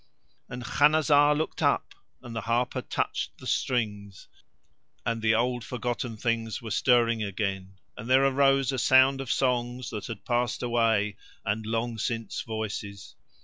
And Khanazar looked up and the harper touched the strings, and the old forgotten things were stirring again, and there arose a sound of songs that had passed away and long since voices.